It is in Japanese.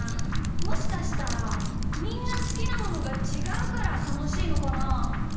もしかしたらみんなすきなものがちがうからたのしいのかな？